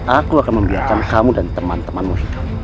aku akan membiarkan kamu dan teman temanmu